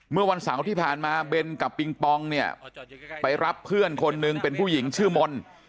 เมื่อวันเสาร์ที่ผ่านมาเบนกับปิงปองเนี่ยไปรับเพื่อนคนนึงเป็นผู้หญิงชื่อมนต์